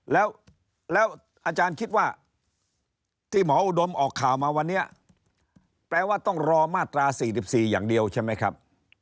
แล้วอาจารย์คิดว่าที่หมออุดมออกข่าวมาวันนี้แปลว่าต้องรอมาตรา๔๔อย่างเดียวใช่ไหมครับ